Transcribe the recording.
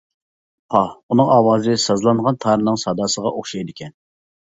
پاھ، ئۇنىڭ ئاۋازى سازلانغان تارنىڭ ساداسىغا ئوخشايدىكەن!